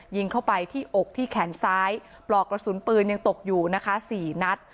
ยิงเข้าไปที่อกที่แขนซ้ายปลอกกระสุนปืนยังตกอยู่นะคะ๔นัด